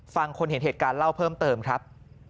ฟังคนเห็นเหตุการณ์เล่าเพิ่มเติมครับ